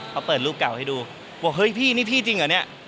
เขาให้ดูบอกว่าเฮ้ยพี่นี่พี่จริงเหรอเนี่ย